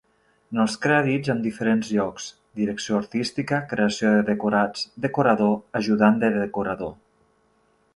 En els crèdits, amb diferents llocs: direcció artística, creació de decorats, decorador, ajudant de decorador.